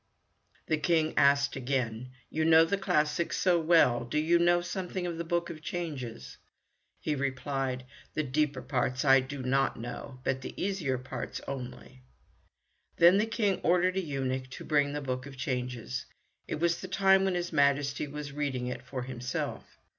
The King asked again, "You know the classics so well, do you know something also of the Book of Changes?" He replied, "The deeper parts I do not know, but the easier parts only." Then the King ordered a eunuch to bring the Book of Changes. It was the time when his Majesty was reading it for himself.